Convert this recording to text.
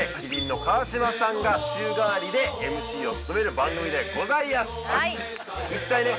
麒麟の川島さんが週替わりでＭＣを務める番組でございやす一体ね